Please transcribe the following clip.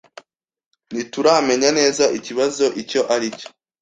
Ntituramenya neza ikibazo icyo ari cyo.